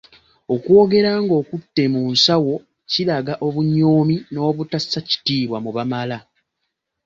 Okwogera ng'okutte mu nsawo kiraga obunyoomi n'obutassa kitiibwa mu bamala.